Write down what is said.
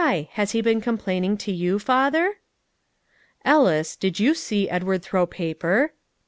Has he been complaining to you, father?" "Ellis, did you see Edward throw paper?"